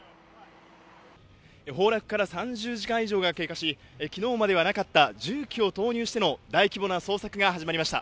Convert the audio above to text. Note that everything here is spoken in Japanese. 崩落から３０時間以上が経過し昨日まではなかった重機を投入しての大規模な捜索が始まりました。